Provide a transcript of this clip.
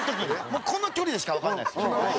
もうこの距離でしかわからないんです。